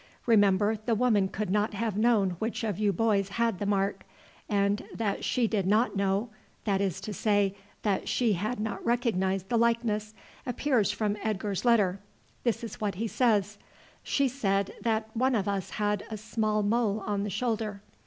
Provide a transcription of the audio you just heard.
Remember the woman could not have known which of you boys had the mark; and that she did not know, that is to say, that she had not recognized the likeness, appears from Edgar's letter. This is what he says: 'She said that one of us had a small mole on the shoulder.